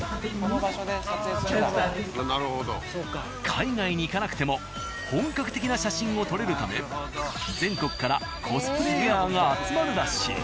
海外に行かなくても本格的な写真を撮れるため全国からコスプレイヤーが集まるらしい。